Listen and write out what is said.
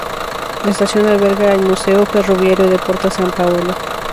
La estación alberga el museo ferroviario de Porta San Paolo.